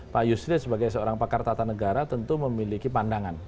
pak yusril sebagai seorang pakar tata negara tentu memiliki pandangan